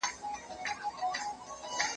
کلتور د پرمختګ لپاره مهم دی.